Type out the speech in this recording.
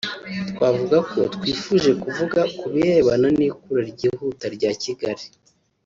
twavuga ko twifuje kuvuga ku birebana n’ikura ryihuta rya Kigali